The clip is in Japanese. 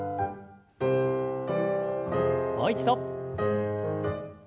もう一度。